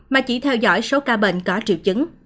mà chỉ theo dõi số ca bệnh có triệu chứng